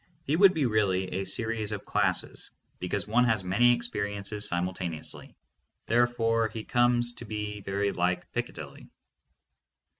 He would be really a series of classes, because one has many experiences simultaneously. Therefore he comes to be very like Picca dilly.